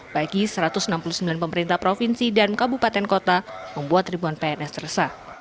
bagi satu ratus enam puluh sembilan pemerintah provinsi dan kabupaten kota membuat ribuan pns resah